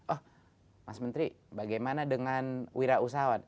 oh mas menteri bagaimana dengan wirausahawan